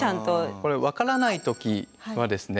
これわからない時はですね